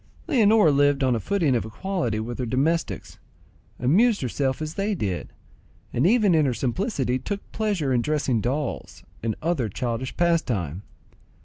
Leonora lived on a footing of equality with her domestics, amused herself as they did, and even in her simplicity took pleasure in dressing dolls and other childish pastime.